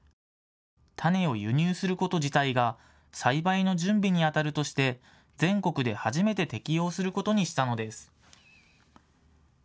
種を輸入すること自体が栽培の準備にあたるとして全国で初めて適用することにしたのです。